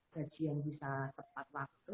saya tidak bisa tepat waktu